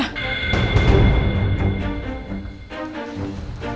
akhirnya ketemu juga